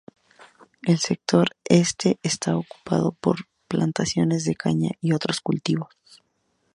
El sector este está ocupado por plantaciones de caña y otros cultivos.